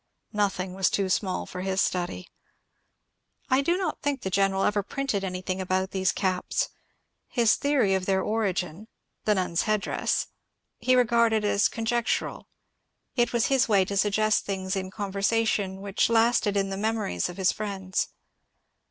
Nothing was too small for his study. I do not think the general ever printed anything about these caps ; his theory of their origin (the nim's headdress) 336 MONCURE DANIEL CONWAY he regarded as conjectural. It was his way to suggest thmgs in conversation which lasted in the memories of his friends.